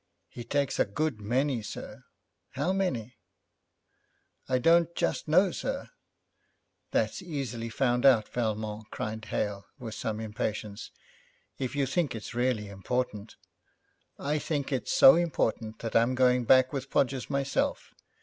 'He takes a good many, sir.' 'How many?' 'I don't just know, sir.' 'That's easily found out, Valmont,' cried Hale, with some impatience, 'if you think it really important.' 'I think it so important that I'm going back with Podgers myself.